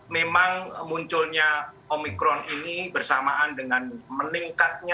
memang munculnya omikron ini bersamaan dengan meningkatnya